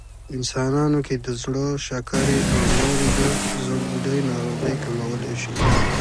انسانانو کې د زړه، شکرې او نورې د زړبوډۍ ناروغۍ کمولی شي